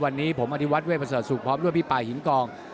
วันนี้ผมอธิวัติเวทย์พระเศรษฐ์สุขพร้อมด้วยพี่ป่าหินกอง